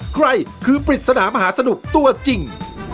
ใครคือปริศนามหาสนุกตัวจริง